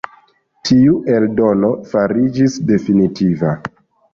Tiu eldono fariĝis definitiva.